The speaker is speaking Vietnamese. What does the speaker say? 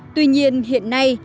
tuy nhiên hiện nay